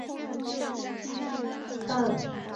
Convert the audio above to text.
现在典藏于日本水户市的彰考馆德川博物馆。